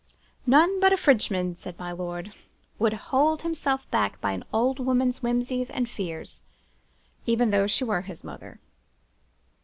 None but a Frenchman, said my lord, would hold himself bound by an old woman's whimsies and fears, even though she were his mother.